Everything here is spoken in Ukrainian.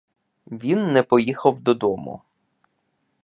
Він не поїхав додому.